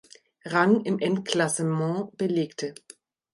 Rang im Endklassement belegte.